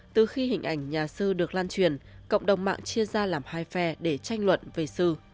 từ khi hình ảnh nhà sư được lan truyền cộng đồng mạng chia ra làm hai phe để tranh luận về sư